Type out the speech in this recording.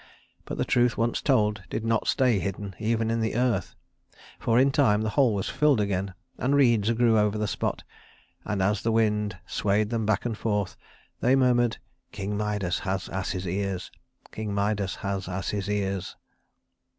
But the truth once told did not stay hidden even in the earth; for in time the hole was filled again and reeds grew over the spot, and as the wind swayed them back and forth they murmured: "King Midas has ass's ears. King Midas has ass's ears."